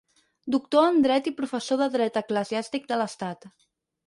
Doctor en dret i professor de dret eclesiàstic de l’Estat.